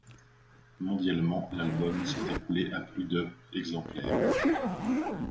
Mondialement, l'album s'est écoulé à plus de exemplaires.